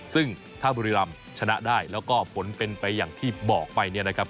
ซึ่งถ้าบุรีรำชนะได้แล้วก็ผลเป็นไปอย่างที่บอกไปเนี่ยนะครับ